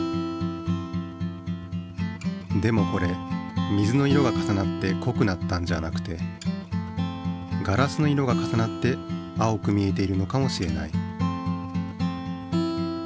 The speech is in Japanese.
でもこれ水の色が重なってこくなったんじゃなくてガラスの色が重なって青く見えているのかもしれない。